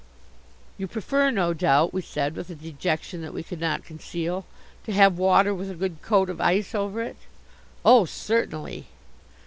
"You prefer, no doubt," we said, with a dejection that we could not conceal, "to have water with a good coat of ice over it?" "Oh, certainly!"